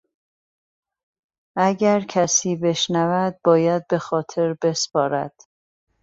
اگر کسی بشنود باید به خاطر بسپارد.